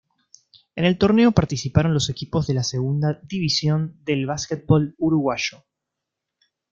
En el torneo participaron los equipos de la Segunda División del básquetbol uruguayo.